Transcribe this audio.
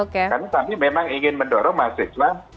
karena kami memang ingin mendorong mahasiswa